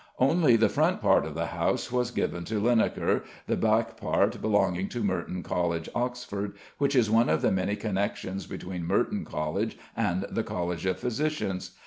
Only the front part of the house was given by Linacre, the back part belonging to Merton College, Oxford, which is one of the many connexions between Merton College and the College of Physicians.